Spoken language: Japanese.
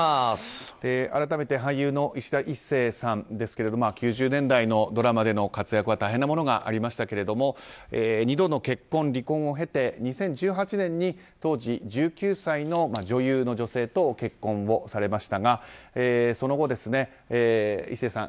改めて、俳優のいしだ壱成さんですけれども９０年代のドラマでの活躍は大変なものがありましたが２度の結婚、離婚を経て２０１８年に当時１９歳の女優の女性と結婚をされましたがその後、壱成さん